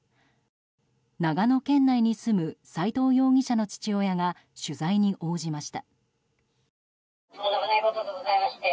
長野県内に住む斎藤容疑者の父親が取材に応じました。